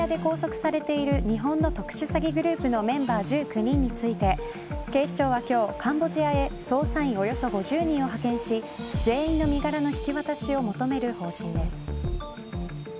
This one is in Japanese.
カンボジアで拘束されている日本の特殊詐欺グループのメンバー１９人について警視庁は今日、カンボジアへ捜査員およそ５０人を派遣し全員の身柄の引き渡しを求める方針です。